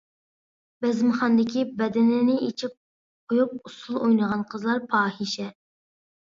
بەزمىخانىدىكى بەدىنىنى ئېچىپ قويۇپ ئۇسۇل ئوينىغان قىزلار پاھىشە!